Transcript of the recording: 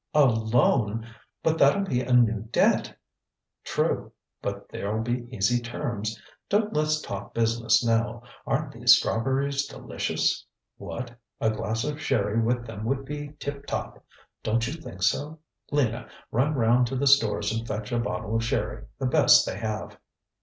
ŌĆØ ŌĆ£A loan! But thatŌĆÖll be a new debt! ŌĆØ ŌĆ£True! But thereŌĆÖll be easy terms! DonŌĆÖt letŌĆÖs talk business now! ArenŌĆÖt these strawberries delicious? What? A glass of sherry with them would be tip top. DonŌĆÖt you think so? Lina, run round to the stores and fetch a bottle of sherry, the best they have.